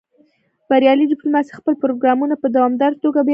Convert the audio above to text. بریالۍ ډیپلوماسي خپل پروګرامونه په دوامداره توګه بیاکتنه کوي